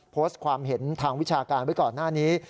โพสต์ความเห็นทางวิชาการไว้ก่อนหน้านี้